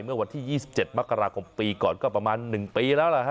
เมื่อวันที่๒๗มกราคมปีก่อนก็ประมาณ๑ปีแล้วล่ะฮ